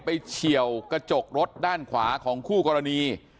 เฉียวกระจกรถด้านขวาของคู่กรณี